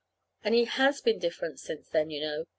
And he has been different since then, you know.